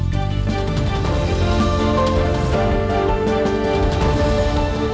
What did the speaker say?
demikian afd now malam ini saya alvi todinova gintings sampai jumpa